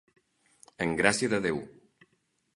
En gràcia de Déu.